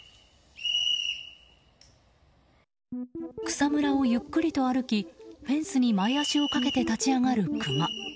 草むらをゆっくりと歩きフェンスに前足をかけて立ち上がるクマ。